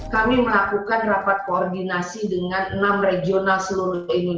kami melakukan rapat koordinasi dengan enam regional seluruh indonesia